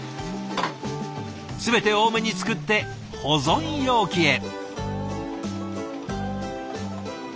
全て多めに作って保存容器へ。